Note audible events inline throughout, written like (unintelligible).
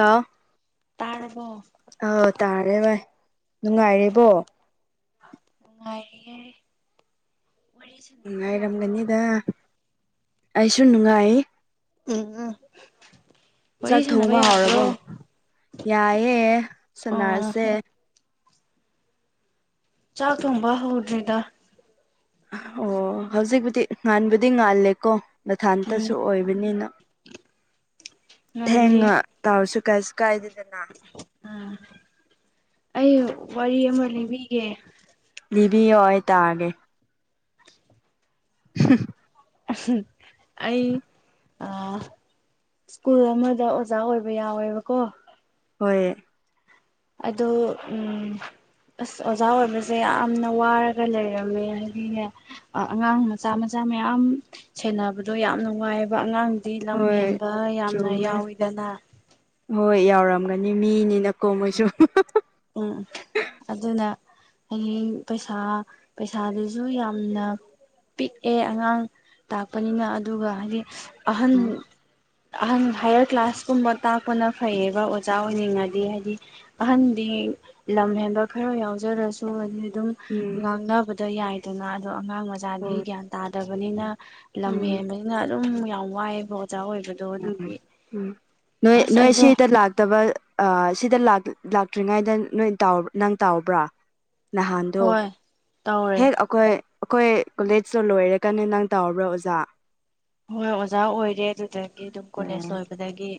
ꯑꯣ ꯇꯥꯔꯕꯣ ꯑꯣ ꯇꯥꯔꯦ ꯚꯥꯏ ꯅꯨꯡꯉꯥꯏꯔꯤꯕꯣ ꯅꯨꯡꯉꯥꯏꯔꯤꯌꯦ ꯋꯥꯔꯤ ꯁꯥꯟꯅꯁꯤ ꯌꯥꯕ꯭ꯔꯣ ꯅꯨꯡꯉꯥꯏꯔꯝꯒꯅꯤꯗ ꯑꯩꯁꯨ ꯅꯨꯡꯉꯥꯏ ꯎꯝ ꯎꯝ ꯋꯥꯔꯤ ꯆꯥꯛ ꯁꯥꯟꯅꯕ ꯊꯣꯡꯕ ꯌꯥꯕ꯭ꯔꯣ ꯍꯥꯎꯔꯕꯣ ꯌꯥꯏꯑꯦ ꯑꯣ ꯁꯟꯅꯔꯁꯦ ꯆꯥꯛ ꯊꯝꯕ ꯍꯧꯗ꯭ꯔꯔꯤꯗ ꯑꯣ ꯍꯧꯖꯤꯛꯄꯨꯗꯤ ꯉꯥꯟꯕꯕꯨꯗꯤ ꯉꯥꯜꯂꯦꯀꯣ ꯃꯊꯥꯇꯁꯨ ꯎꯝ ꯑꯣꯏꯕꯅꯤꯅ ꯉꯜꯂꯤ ꯊꯦꯡꯉ ꯇꯥꯎꯔꯁꯨ ꯀꯥꯏꯁꯨ ꯀꯥꯏꯗꯦꯗꯅ ꯎꯝ ꯑꯩ ꯋꯥꯔꯤ ꯑꯃ ꯂꯤꯕꯤꯒꯦ ꯂꯤꯕꯤ ꯑꯣꯏ ꯑꯣꯏ ꯇꯥꯒꯦ ꯍ ꯑꯩ ꯑ ꯁ꯭ꯀꯨꯜ ꯑꯃꯗ ꯑꯣꯖꯥ ꯑꯣꯏꯕ ꯌꯥꯎꯋꯦꯕꯀꯣ ꯍꯣꯏ ꯑꯗ ꯎꯝ ꯑꯁ ꯑꯣꯖꯥ ꯑꯣꯏꯕꯁꯦ ꯌꯥꯝꯅ ꯋꯥꯔꯒ ꯂꯩꯔꯝꯃꯦ ꯍꯥꯏꯗꯤꯅꯦ ꯑꯉꯥꯡ ꯃꯆꯥ ꯃꯆꯥ ꯃꯌꯥꯝ ꯁꯦꯟꯅꯕꯗꯣ ꯌꯥꯝꯅꯅꯨꯡ ꯋꯥꯏꯑꯕ ꯑꯉꯥꯡ ꯑꯩ ꯂꯝ ꯍꯣꯏ ꯍꯦꯟꯕ ꯌꯥꯝꯅ ꯆꯨꯝꯃꯦ ꯌꯥꯎꯋꯤꯗꯅ ꯍꯣꯏ ꯌꯥꯎꯔꯝꯒꯅꯤ ꯃꯤꯅꯤꯅꯀꯣ ꯃꯣꯏꯁꯨ ꯎꯝ ꯑꯗꯨꯅ ꯍꯌꯦꯡ ꯄꯩꯁꯥ ꯄꯩꯁꯥꯗꯨꯁꯨ ꯌꯥꯝꯅ ꯄꯤꯛꯑꯦ ꯑꯉꯥꯡ ꯇꯥꯛꯄꯅꯤꯅ ꯑꯗꯨꯒ ꯍꯥꯏꯗꯤ ꯑꯍꯟ ꯑꯍꯟ ꯍꯥꯏꯌꯔ ꯀ꯭ꯂꯥꯁ ꯀꯨꯝꯕ ꯇꯥꯛꯄꯅ ꯐꯩꯌꯦꯕ ꯑꯣꯖꯥ ꯑꯣꯏꯅꯤꯡꯉꯗꯤ ꯍꯥꯏꯗꯤ ꯑꯍꯟ ꯍꯥꯏꯗꯤ ꯂꯝ ꯍꯦꯟꯕ ꯈꯔ ꯌꯥꯎꯖꯔꯁꯨ ꯍꯥꯏ ꯑꯗꯨꯝ ꯎꯝ ꯉꯥꯡꯅꯕꯗ ꯌꯥꯏ ꯑꯗꯨꯅ ꯑꯗꯣ ꯑꯉꯥꯡ ꯃꯆꯥꯗꯤ ꯍꯣꯏ ꯒ꯭ꯌꯥꯟ ꯇꯥꯗꯕꯅꯤꯅ ꯂꯝ ꯎꯝ ꯍꯦꯟꯕ ꯑꯩꯅ ꯑꯗꯨꯝ ꯌꯥꯝ ꯋꯥꯏꯑꯕ ꯑꯣꯖꯥ ꯑꯣꯏꯕꯅꯤ ꯎꯝ ꯎꯝ ꯅꯣꯏ ꯅꯣꯏ ꯑꯩꯗꯣ ꯁꯤꯗ ꯂꯥꯛꯇꯕ ꯁꯤꯗ ꯂꯥꯛꯇ꯭ꯔꯤꯉꯩꯗ ꯅꯣꯏ ꯅꯪ ꯇꯥꯎꯕ꯭ꯔꯥ ꯅꯍꯥꯟꯗ ꯍꯣꯏ ꯇꯧꯔꯦ ꯍꯦꯛ ꯑꯩꯈꯣꯏ ꯑꯩꯈꯣꯏ ꯀꯣꯂꯦꯖꯇ ꯂꯣꯏꯔꯀꯅꯤ ꯅꯪ ꯇꯧꯔꯕ꯭ꯔꯣ ꯑꯣꯖꯥ ꯍꯣꯏ ꯑꯣꯖꯥ ꯑꯣꯏꯔꯦ ꯑꯗꯨꯗꯒꯤ ꯑꯗꯨꯝ ꯀꯣꯂꯦꯖ ꯂꯣꯏꯕꯗꯒꯤ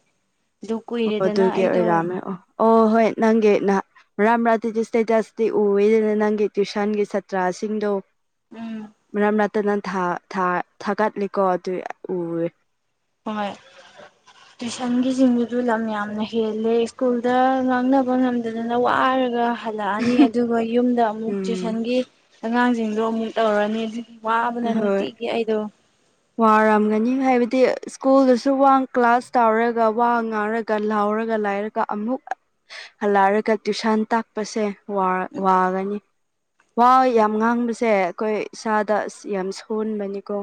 ꯑꯗꯨ ꯑꯣ ꯀꯨꯏꯔꯦꯗꯅ ꯑꯗꯨꯒꯤ ꯑꯩꯗꯣ ꯑꯣꯏꯔꯝꯃꯦ ꯑꯣ ꯑꯣ ꯍꯣꯏ ꯅꯪꯒꯤ ꯅꯍ ꯃꯔꯥꯥꯇꯤ ꯏꯁꯇꯦꯇꯁꯇꯤ ꯎꯋꯗꯅ ꯅꯪꯒꯤ ꯇ꯭ꯋꯨꯁꯟꯒꯤ ꯁꯥꯇ꯭ꯔꯥꯁꯤꯡꯗꯣ ꯎꯝ ꯃꯔꯝ ꯅꯠꯇ ꯅꯪꯥ ꯊꯥꯒꯠꯂꯦꯀꯣ ꯑꯗꯨ ꯎꯔꯦ ꯍꯣꯏ ꯇꯨꯏꯤꯁꯟꯒꯤ ꯆꯤꯡꯗꯨꯁꯨ ꯂꯝ ꯌꯥꯝꯅ ꯍꯦꯜꯂꯦ ꯁ꯭ꯀꯨꯜꯗ ꯉꯥꯡꯅꯕ ꯉꯝꯗꯗꯅ ꯋꯥꯔꯒ ꯍꯜꯂꯛꯑꯅꯤ ꯑꯗꯨꯒ ꯌꯨꯝꯗ ꯑꯃꯨꯛ ꯎꯝ ꯇ꯭ꯏꯤꯁꯟꯒꯤ ꯑꯉꯥꯡꯁꯤꯡꯗꯣ ꯑꯃꯨꯛ ꯇꯧꯔꯅꯤ ꯑꯗꯨꯒꯤ ꯋꯥꯕꯅ ꯍꯣꯏ ꯅꯨꯡꯇꯤꯒꯤ ꯑꯩꯗꯣ ꯋꯥꯔꯝꯒꯅꯤ ꯍꯥꯏꯕꯗꯤ ꯁ꯭ꯀꯨꯜꯗꯁꯨ ꯋꯥ ꯀ꯭ꯂꯥꯁ ꯇꯧꯔꯒ ꯋꯥ ꯉꯥꯡꯔꯒ ꯂꯥꯎꯔꯒ ꯂꯥꯏꯔ ꯀ ꯑꯃꯨꯛ ꯍꯜꯂꯛꯔꯒ ꯇ꯭ꯨꯁꯥꯟ ꯇꯥꯛꯄꯁꯦ ꯋꯥꯒꯅꯤ ꯋꯥ ꯌꯥꯝ ꯉꯥꯡꯕꯁꯦ ꯑꯩꯈꯣꯏ ꯏꯁꯥꯗ ꯑꯁ ꯌꯥꯝ ꯁꯣꯟꯕꯅꯤꯀꯣ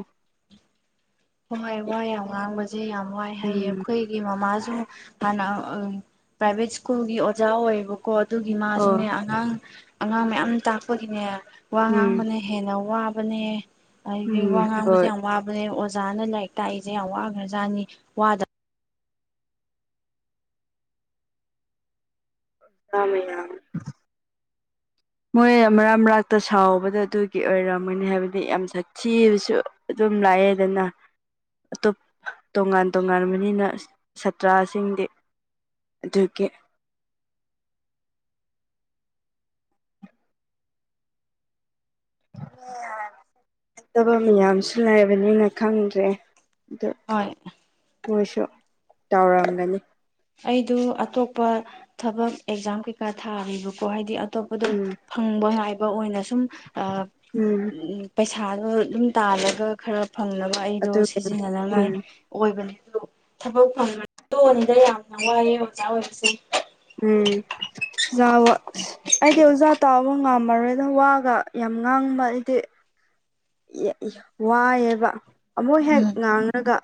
ꯍꯣꯏ ꯋꯥꯏ ꯌꯥꯝ ꯉꯥꯡꯕꯁꯦ ꯌꯥꯝ ꯋꯥꯏ ꯍꯥꯏꯌꯦ ꯎꯝ ꯑꯩꯈꯣꯏꯒꯤ ꯃꯃꯥꯁꯨ ꯍꯥꯟꯅ ꯄ꯭ꯔꯥꯏꯚꯦꯠ ꯁ꯭ꯀꯨꯜꯒꯤ ꯑꯣꯖꯥ ꯑꯣꯏꯌꯦꯕꯀꯣ ꯑꯗꯨꯒꯤ ꯑꯣ ꯃꯥꯁꯨꯅꯦ ꯑꯉꯥꯡ ꯑꯉꯥꯡ ꯃꯌꯥꯝ ꯇꯥꯛꯄꯒꯤꯅꯦ ꯋꯥ ꯎꯝ ꯉꯥꯡꯕꯅ ꯍꯦꯟꯅ ꯋꯥꯕꯅꯦ ꯍꯥꯏꯗꯤ ꯋꯥ ꯎꯝ ꯉꯥꯡꯕꯁꯦ ꯍꯣꯏ ꯌꯥꯝ ꯋꯥꯕꯅꯦ ꯑꯣꯖꯥꯅ ꯂꯥꯏꯔꯤꯛ ꯇꯥꯛꯏꯁꯦ ꯌꯥꯝ ꯋꯥꯈ꯭ꯔꯖꯥꯠꯅꯤ ꯋꯥꯗ ꯀꯃꯌꯥ ꯃꯣꯏ ꯃꯔꯛ ꯃꯔꯥꯛꯛꯇ ꯁꯥꯎꯕꯗꯣ ꯑꯗꯨꯒꯤ ꯑꯣꯏꯔꯝꯒꯅꯤ ꯍꯥꯏꯕꯗꯤ ꯌꯥꯝ ꯁꯥꯛꯊꯤꯕꯁꯨ ꯑꯗꯨꯝ ꯂꯥꯛꯑꯦꯗꯅ ꯑꯇꯣꯞ ꯇꯣꯉꯥꯟ ꯇꯣꯉꯥꯟꯕꯅꯤꯅ ꯁꯥꯇ꯭ꯔꯥꯁꯤꯡꯗꯤ ꯑꯗꯨꯗꯒꯤꯦ ꯐꯠꯇꯕ ꯃꯌꯥꯝꯁꯨ ꯂꯩꯕꯅꯤꯅ ꯈꯪꯗ꯭ꯔꯦ ꯑ ꯍꯣꯏ ꯃꯣꯏꯁꯨ ꯇꯧꯔꯝꯒꯅꯤ ꯑꯩꯗꯨ ꯑꯇꯣꯞꯄ ꯊꯕꯛ ꯑꯦꯛꯖꯥꯝ ꯀꯩꯀꯥ ꯊꯥꯔꯤꯕꯀꯣ ꯍꯥꯏꯗꯤ ꯑꯠ ꯑꯇꯣꯞꯄꯗꯣ ꯎꯝ ꯐꯪꯕ ꯉꯥꯏꯕ ꯑꯣꯏꯅ ꯁꯨꯝ ꯑ ꯎꯝ ꯄꯩꯁꯥꯗꯣ ꯑꯗꯨꯝ ꯇꯥꯜꯂꯒ ꯈꯔ ꯐꯪꯅꯕ ꯑꯩꯗꯣ ꯑꯗꯨ ꯁꯤꯖꯤꯟꯅꯅꯉꯥꯏ ꯎꯝ ꯑꯣꯏꯕꯅꯦ ꯑꯗꯣ ꯊꯕꯛ ꯐꯪꯗꯔꯠ ꯇꯣꯛꯑꯅꯤꯗ ꯌꯥꯝꯅ ꯋꯥꯏꯑꯦ ꯑꯣꯖꯥ ꯑꯣꯏꯕꯁꯦ ꯎꯝ ꯆꯥꯋꯣ ꯑꯩꯗꯤ ꯑꯣꯖꯠ ꯇꯥꯕ ꯉꯝꯃꯔꯣꯏꯗ ꯋꯥꯒ ꯌꯥꯝ ꯉꯥꯡꯕ ꯑꯩꯗꯤ ꯌꯦ ꯌ ꯋꯥꯏꯑꯦꯕ ꯑꯃꯨꯛ ꯍꯦꯟ ꯎꯝ ꯉꯥꯡꯔꯒ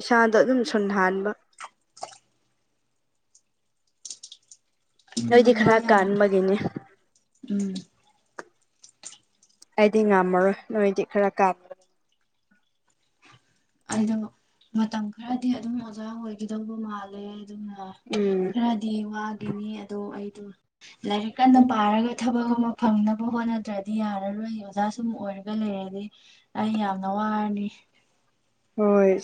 ꯏꯁꯥꯗ ꯑꯗꯨꯝ ꯁꯨꯟ ꯍꯥꯟꯕ ꯑꯗꯨꯅ ꯅꯣꯏꯗꯤ ꯋꯥ ꯈꯔ ꯌꯥꯝ ꯀꯥꯟꯕꯒꯦꯅꯦ ꯎꯝ ꯑꯩꯗꯤ ꯉꯝꯃꯔꯣꯏ ꯅꯣꯏꯗꯤ ꯈꯔ ꯀꯥꯞ ꯑꯥꯏꯗꯣꯅꯣ ꯈꯔꯗꯤ ꯑꯗꯨꯝ ꯑꯣꯖꯥ ꯑꯣꯏꯒꯤꯗꯧꯕ ꯃꯥꯜꯂꯦ ꯑꯗꯨꯅ ꯎꯝ ꯈꯔꯗꯤ ꯋꯥꯒꯤꯅꯤ ꯑꯗꯣ ꯑꯩꯗꯨ ꯂꯥꯏꯔꯤꯛ ꯀꯟꯅ ꯄꯥꯔꯒ ꯊꯕꯛ ꯑꯃ ꯐꯪꯅꯕ ꯍꯣꯠꯅꯗ꯭ꯔꯗꯤ ꯌꯥꯔꯔꯣꯏ ꯑꯣꯖꯥ ꯁꯨꯝ ꯑꯣꯏꯔ ꯒ ꯂꯩꯔꯗꯤ ꯑꯩ ꯌꯥꯝꯅ ꯋꯥꯔꯅꯤ ꯍꯣꯏ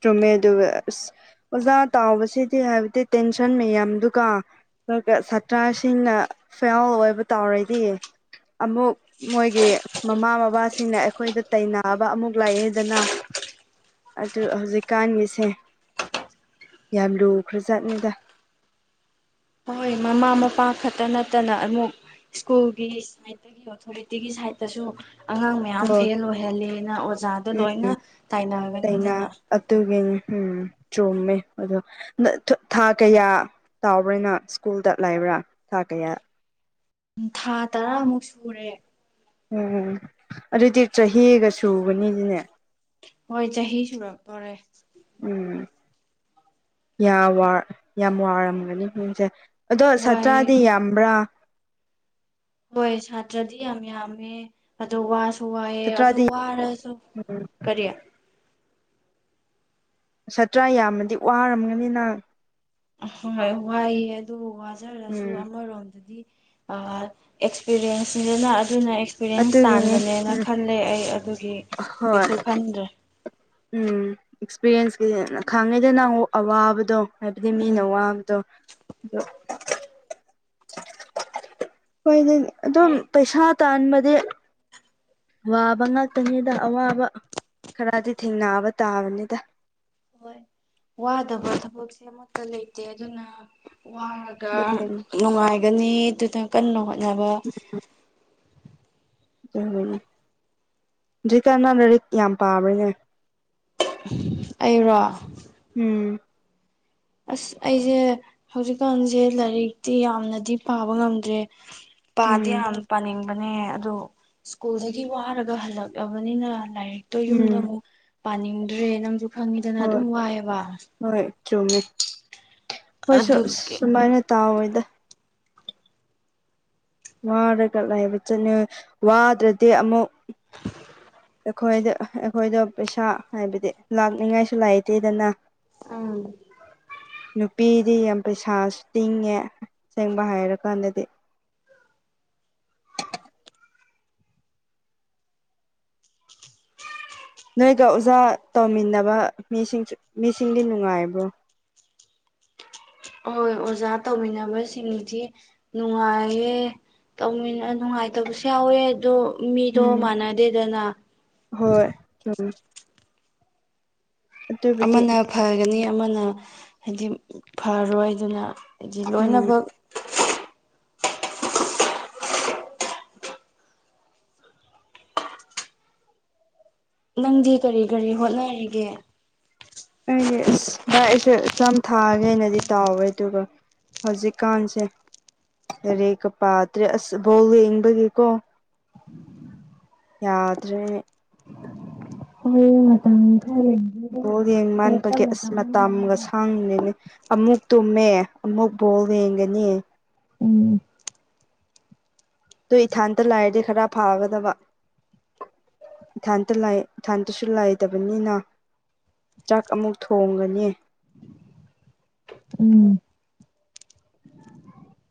ꯆꯨꯝꯃꯦ ꯑꯗꯨꯒ ꯑꯁ ꯑꯣꯖꯥ ꯇꯥꯎꯕꯁꯤꯗꯤ ꯍꯥꯏꯕꯗꯤ ꯇꯦꯟꯁꯟ ꯃꯌꯥꯝꯗꯨꯒ ꯗꯣꯒ ꯁꯥꯇ꯭ꯔꯁꯤꯡꯅ ꯐꯦꯜ ꯑꯣꯏꯕ ꯇꯥꯎꯔꯗꯤ ꯑꯃꯨꯛ ꯃꯣꯏꯒꯤ ꯃꯃꯥ ꯃꯕꯥꯁꯤꯡꯅ ꯑꯩꯈꯣꯏꯗ ꯇꯩꯅꯑꯕ ꯑꯃꯨꯛ ꯂꯩꯑꯦꯗꯅ ꯑꯗꯨ ꯍꯧꯖꯤꯛꯀꯥꯟꯒꯤꯁꯦ ꯌꯥꯝ ꯂꯨꯈ꯭ꯔ ꯖꯥꯠꯅꯤꯗ ꯍꯣꯏ ꯃꯃꯥ ꯃꯄꯥ ꯈꯠꯇ ꯅꯠꯇꯅ ꯑꯃꯨꯛ ꯁ꯭ꯀꯨꯜꯒꯤ ꯁꯥꯏꯠꯗ ꯏꯌꯣ ꯑꯣꯊꯣꯔꯤꯇꯤꯒꯤ ꯁꯥꯏꯠꯇꯁꯨ ꯑꯉꯥꯡ ꯃꯌꯥꯝ ꯍꯣꯏ ꯐꯦꯜ ꯑꯣꯏꯍꯜꯂꯦꯅ ꯑꯣꯖꯥꯗ ꯂꯣꯏꯅ ꯇꯥꯏꯅꯒꯅꯤꯗꯅ ꯑꯇꯨꯒꯤꯟ ꯎꯝ ꯆꯣꯝꯃꯦ ꯑꯗꯣ ꯅ ꯊ ꯊꯥ ꯀꯌꯥ ꯇꯥꯎꯕ꯭ꯔꯦꯅ ꯁ꯭ꯀꯨꯜꯗ ꯂꯥꯏꯕ꯭ꯔꯥ ꯊꯥ ꯀꯌꯥ ꯎ ꯊꯥ ꯇꯔꯥꯃꯨꯛ ꯁꯨꯔꯦ ꯎꯝ ꯑꯗꯨꯗꯤ ꯆꯍꯤꯒ ꯁꯨꯕꯅꯤꯗꯤꯅꯦ ꯍꯣꯏ ꯆꯍꯤ ꯁꯨꯔꯛꯇꯣꯔꯦ ꯎꯝ ꯌꯥꯝ ꯋꯥꯔ ꯌꯥꯝ ꯋꯥꯔꯝꯒꯅꯤ ꯃꯤꯟꯁꯦ ꯑꯗꯣ ꯋꯥꯏꯑꯦ ꯁꯥꯇ꯭ꯔꯗꯤ ꯌꯥꯝꯕ꯭ꯔꯥ ꯃꯣꯏ ꯁꯥꯇ꯭ꯔꯗꯤ ꯌꯥꯝ ꯌꯥꯝꯃꯦ ꯑꯗꯣ ꯋꯥꯁꯨ ꯋꯥꯏꯑꯦ ꯑꯗꯣ ꯁꯥꯇ꯭ꯔꯥꯗꯤ ꯋꯥꯔꯁꯨ ꯀꯔꯤꯌ ꯁꯥꯇ꯭ꯔ ꯌꯥꯝꯅꯗꯤ ꯋꯥꯔꯝꯒꯅꯤ ꯅ ꯍꯣꯏ ꯋꯥꯏꯑꯦ ꯑꯗꯨꯕꯨ ꯋꯥꯖꯔꯁꯨ ꯎꯝ ꯑꯃꯔꯣꯝꯗꯗꯤ ꯑ ꯑꯦꯛꯁꯄꯤꯔꯦꯟꯁ ꯅꯤꯗꯅ ꯑꯗꯨꯅ ꯑꯦꯛ ꯄꯤꯔꯦꯟꯁ ꯑꯗꯨꯒꯤꯅꯤ ꯇꯥꯟꯕꯅꯦꯅ ꯎꯝ ꯈꯜꯂꯦ ꯑꯩ ꯑꯗꯨꯒꯤ ꯍꯣꯏ ꯀꯩꯁꯨ ꯈꯟꯗ꯭ꯔꯦ ꯎꯝ ꯑꯦꯛꯁꯄꯤꯔꯦꯟꯁꯀꯤꯅꯦꯅ ꯈꯥꯡꯉꯩꯗ ꯅꯪ ꯋꯨ ꯑꯋꯥꯕꯗꯣ ꯍꯥꯏꯕꯗꯤ ꯃꯤꯅ ꯎꯝ ꯋꯥꯕꯗꯣ ꯑꯗꯣ ꯍꯣꯏꯗꯦꯅꯦ ꯑꯗꯨꯝ ꯄꯩꯁꯥꯠ ꯇꯥꯟ ꯕꯗꯦ ꯋꯥꯕ ꯉꯥꯛꯇꯅꯤꯗ ꯑꯋꯥꯕ ꯈꯔꯗꯤ ꯊꯦꯡꯅꯕ ꯇꯥꯕꯅꯤꯗ ꯍꯣꯏ ꯋꯥꯗꯕ ꯊꯕꯛꯁꯤ ꯑꯃꯠꯇ ꯂꯩꯇꯦ ꯑꯗꯨꯅ ꯋꯥ ꯒ ꯑꯗꯨꯒꯤꯅꯤ ꯅꯨꯡꯉꯥꯏꯒꯅꯤ ꯑꯗꯨꯅ ꯀꯟꯅ ꯍꯣꯠꯅꯕ ꯑꯝ ꯖꯤ ꯀꯅꯥ ꯂꯔꯤꯛ ꯌꯥꯝ ꯄꯥꯕꯩꯅꯦ ꯑꯩꯔꯣ ꯎꯝ ꯑꯁ ꯑꯩꯖꯦ ꯍꯧꯖꯤꯛꯀꯥꯟꯖꯦ ꯂꯥꯏꯔꯤꯛꯇꯤ ꯌꯥꯝꯅꯗꯤ ꯄꯥꯕ ꯉꯝꯗ꯭ꯔꯦ ꯄꯥꯗꯤ ꯎꯝ ꯌꯥꯝ ꯄꯅꯤꯡ ꯕꯅꯦ ꯑꯗꯣ ꯁ꯭ꯀꯨꯜꯗꯒꯤ ꯋꯥꯔꯒ ꯍꯜꯂꯛꯂꯕꯅꯤꯅ ꯂꯥꯏꯔꯤꯛꯇꯣ ꯌꯨꯝꯗ ꯎꯝ ꯑꯃꯨꯛ ꯄꯥꯅꯤꯡꯗ꯭ꯔꯦ ꯅꯪꯁꯨ ꯈꯪꯉꯤꯗꯅ ꯍꯣꯏ ꯑꯗꯨꯝ ꯋꯥꯏꯑꯦꯕ ꯍꯣꯏ ꯆꯨꯝꯃꯦ ꯍꯣꯏꯁꯨ ꯑꯗꯨꯒꯤ ꯁꯨꯃꯥꯏꯅ ꯇꯥꯎꯋꯦꯗ ꯋꯥꯔꯒꯂ ꯍꯥꯏꯕ ꯆꯠꯅꯨ ꯋꯥꯗ꯭ꯔꯗꯤ ꯑꯃꯨꯛ ꯑꯩꯈꯣꯏꯗ ꯑꯩꯈꯣꯏꯗ ꯄꯩꯁꯥ ꯍꯥꯏꯕꯗꯤ ꯂꯥꯛꯅꯤꯡꯉꯥꯏꯁꯨ ꯂꯥꯏꯇꯦꯗꯅ ꯎꯝ ꯅꯨꯄꯤꯗꯤ ꯌꯥꯝ ꯄꯩꯁꯥꯁꯨ ꯇꯤꯡꯉꯦ ꯑꯁꯦꯡꯕ ꯍꯥꯏꯔ ꯀꯥꯟꯗꯗꯤ ꯅꯣꯏꯒ ꯑꯣꯖꯥ ꯇꯧꯃꯤꯟꯅꯕ ꯃꯤꯁꯤꯡꯁꯨ ꯃꯤꯁꯤꯡꯗꯤ ꯅꯨꯡꯉꯥꯏꯕ꯭ꯔꯣ ꯑꯣꯏ ꯑꯣꯖꯥ ꯇꯧꯃꯤꯟꯅꯕꯁꯤꯡꯗꯤ ꯅꯨꯡꯉꯥꯏꯌꯦ ꯇꯧꯃꯤꯟ ꯑ ꯅꯨꯡꯉꯥꯏꯇꯕꯁꯨ ꯌꯥꯎꯋꯦ ꯑꯗꯣ ꯃꯤꯗꯣ ꯎꯝ ꯃꯥꯟꯅꯗꯦꯗꯅ (unintelligible) ꯑꯗꯨꯕꯨꯗꯤ ꯑꯃꯅ ꯐꯒꯅꯤ ꯑꯃꯅ ꯍꯥꯏꯗꯤ ꯐꯔꯣꯏ ꯑꯗꯨꯅ ꯍꯥꯏꯗꯤ ꯎꯝ ꯂꯣꯏꯅꯕꯛ ꯅꯪꯗꯤ ꯀꯔꯤ ꯀꯔꯤ ꯍꯣꯠꯅꯔꯤꯒꯦ ꯑꯩꯗꯤ ꯑꯁ ꯚꯥꯏ ꯑꯩꯁꯨ ꯑꯦꯛꯖꯥꯝ ꯊꯥꯒꯦꯅꯗꯤ ꯇꯥꯎꯋꯦ ꯑꯗꯨꯒ ꯍꯧꯖꯤꯛꯀꯥꯟꯁꯦ ꯂꯥꯏꯔꯤꯛꯀ ꯄꯥꯗ꯭ꯔꯦ ꯑꯁ ꯕꯣꯜ ꯌꯦꯡꯕꯒꯤꯀꯣ ꯌꯥꯗ꯭ꯔꯦ (unintelligible) ꯕꯣꯜ ꯑꯩꯈꯣꯏ ꯌꯦꯡꯃꯟꯕꯒꯤ ꯇꯞꯅ ꯑꯁ ꯇꯞꯅ ꯃꯇꯝꯒ ꯍꯣꯠꯅꯕ ꯁꯥꯡꯗꯤꯅꯦ ꯑꯃꯨꯛ ꯇꯨꯝꯃꯦ ꯑꯃꯨꯛ ꯕꯣꯜ ꯌꯦꯡꯒꯅꯤ ꯎꯝ ꯑꯗꯨ ꯏꯊꯟꯇ ꯂꯩꯔꯗꯤ ꯈꯔ ꯐꯥꯒꯗꯕ ꯏꯊꯟꯇ ꯂꯩ ꯏꯊꯟꯇꯁꯨ ꯂꯩꯇꯕꯅꯤꯅ ꯆꯥꯛ ꯑꯃꯨꯛ ꯊꯣꯡꯒꯅꯤ ꯎꯝ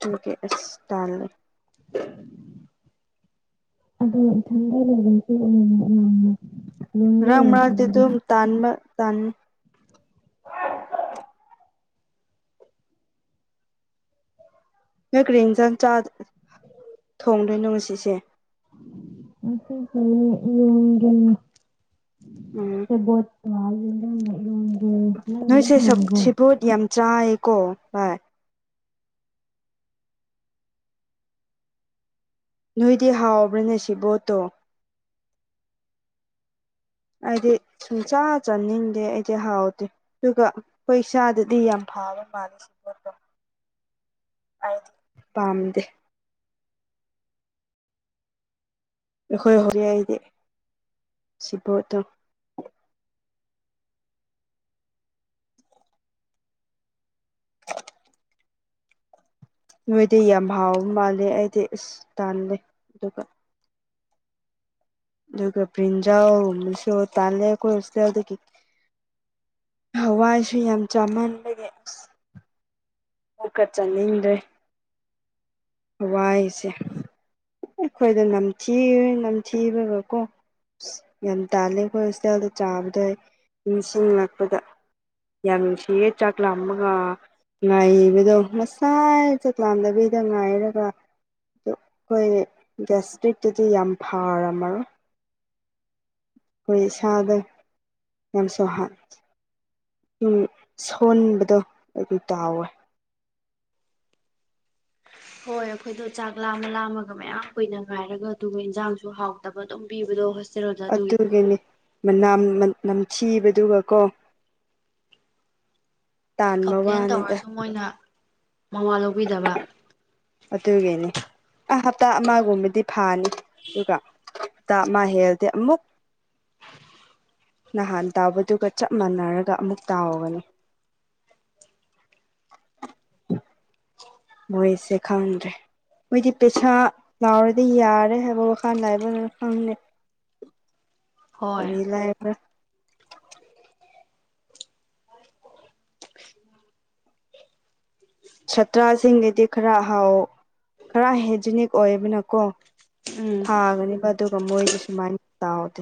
ꯑꯗꯨꯒꯤ ꯑꯁ ꯇꯜꯂꯤ (unintelligible) ꯑꯗꯣ ꯏꯊꯟꯇ ꯂꯩꯕꯗꯨꯁꯨ ꯑꯃꯨꯛ ꯑꯃꯨꯛ ꯌꯥꯝꯅ (unintelligible) ꯃꯔꯛ ꯃꯔꯛꯇꯤ ꯑꯣꯏꯔꯛꯄꯅꯤꯗ ꯑꯗꯨꯝ ꯇꯥꯟꯕ ꯇꯟ ꯅꯣꯏ ꯀꯔꯤ ꯏꯟꯖꯥꯡ ꯆꯥ ꯊꯣꯡꯗꯣꯏꯅꯣ ꯉꯁꯤꯁꯦ ꯉꯁꯤꯁꯦ ꯏꯔꯣꯟꯒꯦꯅ (unintelligible) ꯁꯦꯕꯣꯠꯀꯥ ꯌꯦꯟꯗꯦꯝꯒ ꯏꯔꯣꯟꯕ ꯅꯣꯏꯁꯦ ꯁꯦ ꯁꯦꯕꯣꯠ ꯌꯥꯝ ꯆꯥꯏꯀꯣ ꯚꯥꯏ ꯅꯣꯏꯗꯤ ꯍꯥꯎꯕ꯭ꯔꯅꯦ ꯁꯤꯕꯣꯠꯇꯣ ꯑꯩꯗꯤ ꯁꯨꯡꯆꯥꯥ ꯆꯥꯅꯤꯡꯗꯦ ꯑꯩꯗꯤ ꯍꯥꯎꯇꯦ ꯑꯗꯨꯒ ꯑꯩꯈꯣꯏ ꯏꯁꯥꯗꯗꯤ ꯌꯥꯝ ꯐꯥꯕ ꯃꯥꯜꯂꯦ ꯁꯤꯕꯣꯠꯇꯣ (inaudible) ꯑꯩꯗꯤ ꯄꯥꯝꯗꯦ ꯑꯩꯈꯣꯏ ꯍꯧꯔꯤ ꯑꯩꯗꯤ ꯁꯤꯕꯣꯠꯇꯨ ꯅꯣꯏꯗꯤ ꯌꯥꯝ ꯍꯥꯎꯕ ꯃꯥꯜꯂꯦ ꯑꯩꯗꯤ ꯏꯁ ꯇꯜꯂꯦ ꯑꯗꯨꯒ ꯑꯗꯨꯒ ꯕꯔꯤꯟꯖꯜ ꯒꯨꯝꯕꯁꯨ ꯇꯜꯂꯦ ꯑꯩꯈꯣꯏ ꯍꯣꯁꯇꯦꯜꯗꯒꯤ ꯍꯋꯥꯏꯁꯨ ꯌꯥꯝ ꯆꯥꯃꯟꯕꯒꯤ ꯏꯁ ꯑꯃꯨꯛꯀꯥ ꯆꯠꯅꯤꯡꯗ꯭ꯔꯦ ꯍꯋꯥꯏꯁꯦ ꯑꯩꯈꯣꯏꯗ ꯅꯝꯊꯤ ꯅꯝꯊꯤꯕꯒꯀꯣ ꯑꯁ ꯌꯥꯝ ꯇꯥꯜꯂꯦ ꯑꯩꯈꯣꯏ ꯍꯣꯁꯇꯦꯜꯗ ꯆꯥꯕꯗ ꯅꯤꯡꯁꯤꯡ ꯂꯛꯄꯗ ꯌꯥꯝ ꯅꯨꯡꯁꯤꯌꯦ ꯆꯥꯛ ꯂꯥꯝꯃꯒ ꯉꯥꯏꯕꯗꯣ ꯉꯁꯥꯏ ꯆꯥꯛꯂꯥꯝꯗꯕꯤꯗ ꯉꯥꯏꯔꯒ (unintelligible) ꯑꯩꯈꯣꯏ ꯒꯦꯁꯇ꯭ꯔꯤꯛꯇꯨꯗꯤ ꯌꯥꯝ ꯐꯔꯝꯃꯔꯣꯏ ꯑꯩꯈꯣꯏ ꯏꯁꯥꯗꫭ ꯌꯥꯝꯁꯨꯍꯥꯠ ꯎꯝ ꯁꯣꯟꯕꯗꯣ ꯑꯗꯨ ꯇꯥꯎꯋꯦ ꯍꯣꯏ ꯑꯩꯈꯣꯏꯗꯣ ꯆꯥꯛ ꯂꯥꯝꯃ ꯂꯥꯝꯃꯒ ꯃꯌꯥꯝ ꯀꯨꯏꯅ ꯉꯥꯏꯔꯒ ꯑꯗꯨꯒ ꯏꯟꯖꯥꯡꯖꯨ ꯍꯥꯎꯇꯕ ꯑꯗꯨꯝ ꯄꯤꯕꯗꯣ ꯍꯣꯁ ꯑꯗꯨꯒꯤꯅꯤ ꯃꯅꯝ ꯅꯝꯊꯤꯕꯗꯨꯒ ꯀꯣ ꯇꯥꯟꯕ ꯀꯝꯄ꯭ꯂꯦꯟ ꯋꯥꯅꯤꯗ ꯇꯧꯔꯁꯨ ꯃꯣꯏꯅ ꯃꯋꯥ ꯂꯧꯕꯤꯗꯕ ꯑꯗꯨꯒꯤꯅꯤ ꯑ ꯍꯞꯇꯥ ꯑꯃꯒꯨꯝꯕꯗꯤ ꯐꯥꯅꯤ ꯑꯗꯨꯒ (unintelligible) ꯅꯍꯥꯟ ꯇꯥꯎꯕꯗꯨꯒ ꯆꯞ ꯃꯥꯟꯅꯔꯒ ꯑꯃꯨꯛ ꯇꯥꯎꯒꯅꯤ ꯃꯣꯏꯁꯦ ꯈꯪꯗ꯭ꯔꯦ ꯃꯣꯏꯗꯤ ꯄꯩꯁꯥ ꯂꯥꯎꯔꯗꯤ ꯌꯥꯔꯦ ꯍꯥꯏꯕ ꯋꯥꯈꯜ ꯂꯥꯏꯕ ꯅ꯭ꯔ ꯈꯪꯗꯦ ꯍꯣꯏ ꯔꯤ ꯂꯥꯏꯕ꯭ꯔ ꯁꯥꯠꯇ꯭ꯔꯁꯤꯡꯒꯤꯗꯤ ꯈꯔ ꯍꯥꯎ ꯈꯔ ꯍꯥꯏꯖꯤꯅꯤꯛ ꯑꯣꯏꯕꯅꯀꯣ ꯎꯝ ꯊꯥꯒꯅꯦꯕ ꯑꯗꯨꯒ ꯃꯣꯏꯗꯤ ꯁꯨꯃꯥꯏꯅ ꯇ ꯑꯥꯎꯗꯦ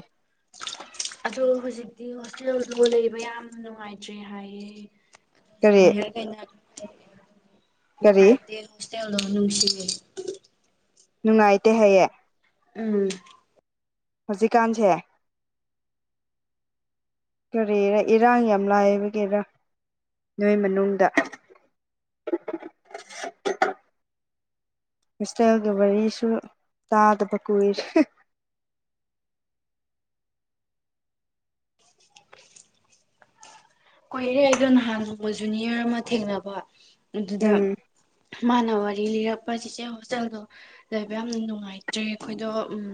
ꯇꫭ ꯍꯧꯖꯤꯛꯇꯤ ꯍꯣꯁꯇꯦꯜꯗꯣ ꯂꯩꯕ ꯌꯥꯝ ꯅꯨꯡꯉꯥꯏꯇ꯭ꯔꯦ ꯍꯥꯏꯌꯦ ꯀꯔꯤ ꯑꯩꯅ ꯅꯨꯡꯉꯥꯏꯇꯦ ꯀꯔꯤ ꯍꫭꯁꯇꯦꯜꯗꫭ ꯅꯨꯡꯁꯤꯑꯦ ꯅꯨꯡꯉꯥꯏꯇꯦ ꯍꯥꯏꯌꯦ ꯎꯝ ꯍꯧꯖꯤꯛꯀꯥꯟꯁꯦ ꯀꯔꯤꯔ ꯏꯔꯥꯡ ꯌꯥꯝ ꯂꯥꯏꯕꯒꯦꯔ ꯅꯣꯏ ꯃꯅꯨꯡꯗ ꯍꫭꯁꯇꯦꯜꯒꯤ ꯋꯥꯔꯤꯁꯨ ꯇꯥꯗꯕ ꯀꯨꯏꯔꯦ ꯀꯣꯏꯔꯦ ꯑꯩꯗꯣ ꯅꯍꯥꯟ ꯅꯣꯡꯕ ꯖꯨꯅꯤꯌꯔ ꯑꯃ ꯊꯦꯡꯅꯕ ꯑꯗꯨꯗ ꯎꯝ ꯃꯥꯅ ꯋꯥꯔꯤ ꯂꯤꯔꯛꯄ ꯆꯆꯦ ꯍꯣꯁꯇꯦꯜꯗꯣ ꯂꯩꯕ ꯌꯥꯝꯅ ꯅꯨꯡꯉꯥꯏꯇ꯭ꯔꯦ ꯑꯩꯈꯣꯏꯗꯣ ꯎꯝ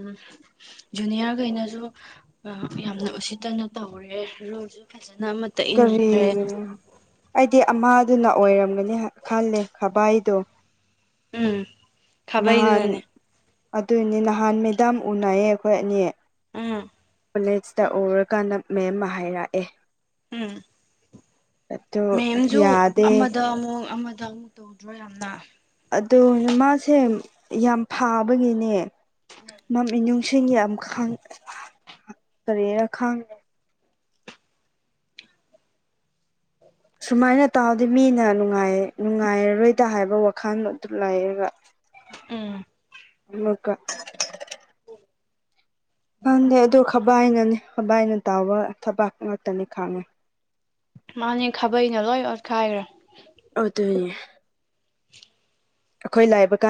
ꯖꯨꯅꯤꯌꯥꯔꯈꯩꯅꯁꯨ ꯌꯥꯝꯅ ꯎꯁꯤꯠꯇꯅ ꯇꯧꯔꯦ ꯔꯣꯜꯁꯨ ꯐꯖꯅ ꯑꯃ ꯀ꯭ꯔꯤꯔꯤ ꯑꯩꯗꯤ ꯑꯃꯗꯨꯅ ꯑꯣꯏꯔꯝꯒꯅꯤ ꯈꯜꯂꯦ ꯈꯚꯏꯗꯣ ꯎꯝ ꯅꯍꯥꯟ ꯈꯥꯕꯩꯗꯨꯅꯅꯦ ꯑꯗꯨꯅꯦ ꯅꯍꯥꯟ ꯃꯦꯗꯥꯝ ꯎꯅꯩꯌꯦ ꯑꯩꯈꯣꯏ ꯑꯅꯤ ꯎꯝ ꯀꯣꯂꯦꯖꯇ ꯎꯔꯀꯥꯟꯗ ꯃꯦꯝ ꯑꯃ ꯍꯥꯏꯔꯛꯑꯦ ꯎꯝ ꯑꯗꯨ ꯃꯦꯝꯁꯨ ꯌꯥꯗꯦ ꯑꯃꯗ ꯑꯃꯨꯛ ꯑꯃꯗ ꯑꯃꯨꯛ ꯇꯧꯗ꯭ꯔꯣ ꯌꯥꯝꯅ ꯑꯗꯣ ꯃꯥꯁꯦ ꯌꯥꯝ ꯐꯥꯕꯒꯤꯅꯦ ꯃꯃꯤꯅꯨꯡꯁꯤꯡ ꯌꯥꯝ ꯈꯥꯡ ꯀꯔꯤꯔꯥ ꯈꯥꯡꯉꯦ ꯎꯝ (inaudible) ꯁꯨꯃꯥꯏꯅ ꯇꯥꯗꯤ ꯃꯤꯅ ꯅꯨꯡꯉꯥꯏ ꯅꯨꯡꯉꯥꯏꯔꯔꯣꯏꯗ ꯍꯥꯏꯕ ꯋꯥꯈꯜ ꯑꯗꯨ ꯂꯩꯔꯒ ꯎꯝ ꯑꯃꯀ ꯈꯟꯗꯦ ꯑꯗꯨ ꯈꯕꯥꯏꯅꯅꯤ ꯈꯕꯥꯏꯅ ꯇꯥꯎꯕ ꯊꯕꯥꯛ ꯉꯥꯛꯇꯅꯤ ꯈꯥꯡꯉꯦ ꯃꯥꯅꯦ ꯈꯥꯕꯩꯅ ꯂꯣꯏ ꯑꯣꯠꯈꯥꯏꯈ꯭ꯔꯦ ꯑꫭꯗꫭꯏꯌꯦ ꯑꯩꯈꯣꯏ ꯂꯥꯏꯕ ꯀꯥꯟ